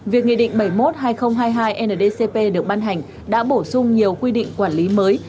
việc nghị định bảy mươi một hai nghìn hai mươi hai ndcp được ban hành đã bổ sung nhiều quy định quản lý mới